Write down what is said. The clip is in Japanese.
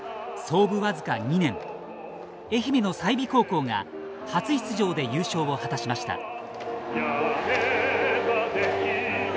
創部わずか２年愛媛の済美高校が初出場で優勝を果たしました。